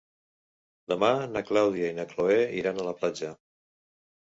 Demà na Clàudia i na Cloè iran a la platja.